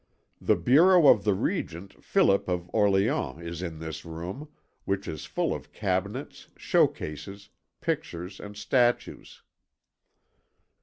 The bureau of the Regent, Philip of Orleans, is in this room, which is full of cabinets, show cases, pictures, and statues.